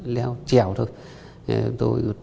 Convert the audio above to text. leo trèo thôi